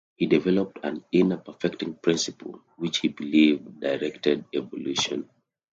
He developed an "inner perfecting principle" which he believed directed evolution.